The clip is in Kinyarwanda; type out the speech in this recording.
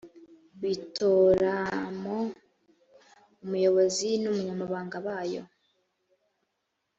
bitoramo umuyobozi n umunyamabanga bayo